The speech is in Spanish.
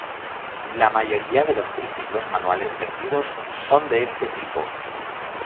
La mayoría de los triciclos manuales vendidos son de este tipo.